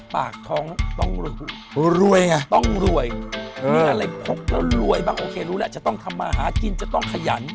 ปากท้องต้องรวยไงต้องรวยมีอะไรพกแล้วรวยบ้างโอเครู้แล้วจะต้องทำมาหากินจะต้องขยัน